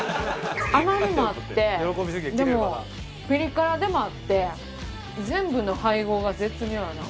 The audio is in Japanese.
甘みもあってでもピリ辛でもあって全部の配合が絶妙やな。